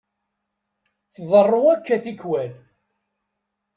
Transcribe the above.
Tḍerru akka tikkwal.